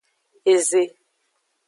Eze.